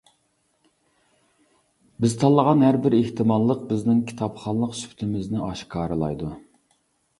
بىز تاللىغان ھەر بىر ئېھتىماللىق بىزنىڭ كىتابخانلىق سۈپىتىمىزنى ئاشكارىلايدۇ.